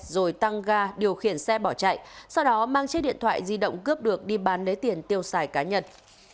rồi tăng ga điều khiển xe bỏ chạy sau đó mang chiếc điện thoại di động cướp được đi bán lấy tiền tiêu xài cá nhân